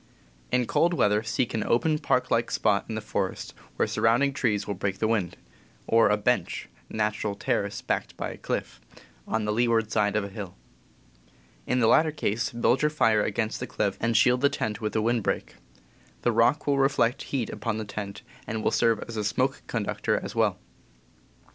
In cold weather seek an open, park like spot in the forest, where surrounding trees will break the wind; or a "bench" (natural terrace backed by a cliff) on the leeward side of a hill. In the latter case, build your fire against the cliff, and shield the tent with a wind break. The rock will reflect heat upon the tent, and will serve as a smoke conductor as well.